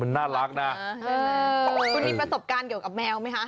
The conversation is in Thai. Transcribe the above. น่ารักนะคุณมีประสบการณ์เกี่ยวกับแมวไหมคะ